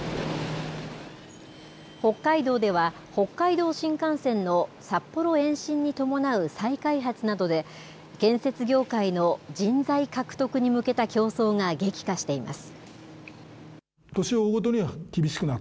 北海道では、北海道新幹線の札幌延伸に伴う再開発などで、建設業界の人材獲得に向けた競争が激化しています。